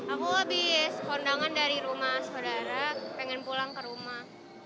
aku habis kondangan dari rumah saudara pengen pulang ke rumah